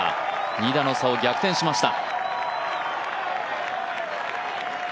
２打の差を逆転しました。